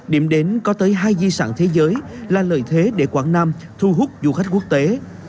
điểm đến có tới hai di sản thế giới là lợi thế để quảng nam thu hút du khách quốc tế